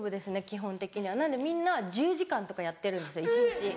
基本的にはなのでみんな１０時間とかやってるんですよ一日。